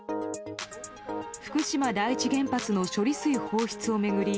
福島第一原発の処理水放出を巡り